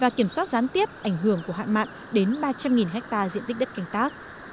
và kiểm soát gián tiếp ảnh hưởng của hạn mặn đến ba trăm linh hectare diện tích đất canh tác